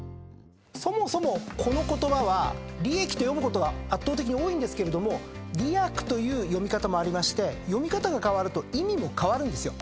そもそもこの言葉は「りえき」と読むことが圧倒的に多いんですけれども「りやく」という読み方もありまして読み方が変わると意味も変わるんですよ。